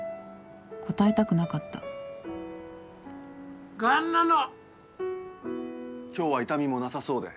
答えたくなかった今日は痛みもなさそうで。